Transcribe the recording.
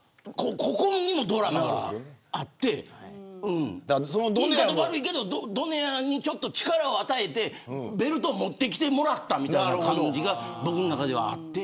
ここにもドラマがあって言い方悪いけどドネアに力を与えてベルトを持ってきてもらったみたいな感じが僕の中ではあって。